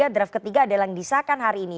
draft ketiga adalah yang disahkan hari ini